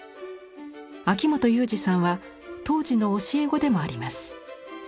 秋元雄史さんは当時の教え子でもあります。